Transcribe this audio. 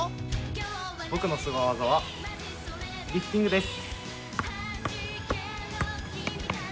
僕のすご技はリフティングです。